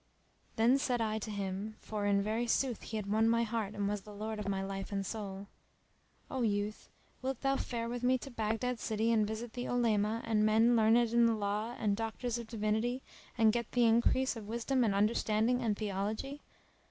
Then said I to him (for in very sooth he had won my heart and was the lord of my life and soul), "O youth, wilt thou fare with me to Baghdad city and visit the Olema and men learned in the law and doctors of divinity and get thee increase of wisdom and understanding and theology?